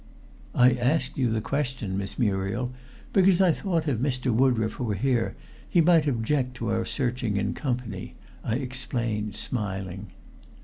"I asked you the question, Miss Muriel, because I thought if Mr. Woodroffe were here, he might object to our searching in company," I explained, smiling.